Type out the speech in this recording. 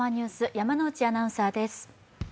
山内アナウンサーです。